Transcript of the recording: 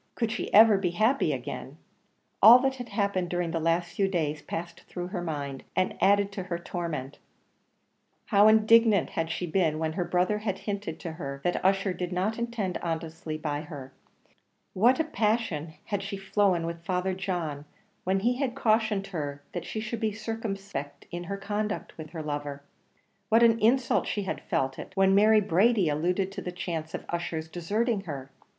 Could she ever be happy again? All that had happened during the last few days passed through her mind, and added to her torment. How indignant had she been when her brother had hinted to her that Ussher did not intend honestly by her; into what a passion had she flown with Father John, when he had cautioned her that she should be circumspect in her conduct with her lover; what an insult she had felt it when Mary Brady alluded to the chance of Ussher's deserting her!